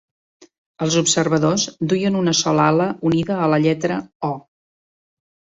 Els observadors duien una sola ala unida a la lletra "O".